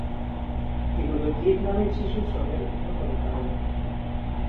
এগুলো ভিয়েতনামের শিশুশ্রমের অন্যতম কারণ।